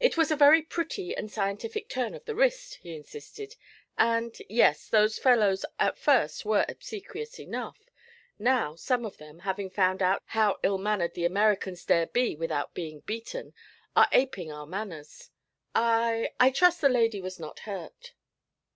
'It was a very pretty and scientific turn of the wrist,' he insisted, 'and yes, those fellows at first were obsequious enough; now, some of them, having found out how ill mannered the Americans dare be without being beaten, are aping our manners. I I trust the young lady was not hurt?'